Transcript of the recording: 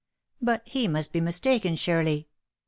But he must be mistaken surely.